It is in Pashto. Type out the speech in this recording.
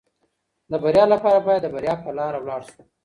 د بریا لپاره باید د بریا په لاره ولاړ شو.